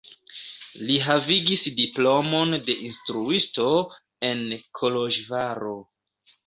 Li havigis diplomon de instruisto en Koloĵvaro.